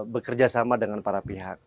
bekerja sama dengan para pihak